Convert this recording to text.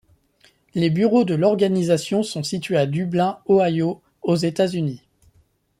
Les bureaux de l'organisation sont situés à Dublin, Ohio, aux États-Unis.